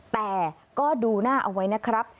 แต่ก็ดูหน้าเอาไว้นะครับ